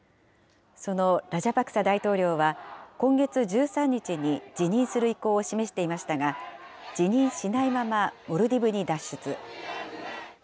そのラジャパクサ大統領は、今月１３日に辞任する意向を示していましたが、辞任しないままモルディブに脱出。